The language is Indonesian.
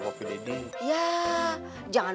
kopi dedy ya jangan